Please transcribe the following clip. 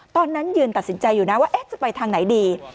ตอนนั้นยืนตัดสินใจอยู่นะว่าจะไปทางไหนดี